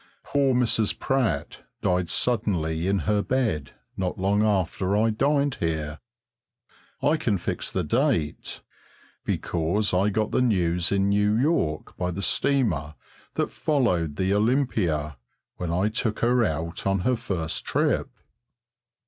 Poor Mrs. Pratt died suddenly in her bed not long after I dined here. I can fix the date, because I got the news in New York by the steamer that followed the Olympia when I took her out on her first trip.